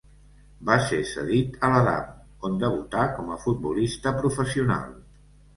Va ser cedit a la Damm, on debutà com a futbolista professional.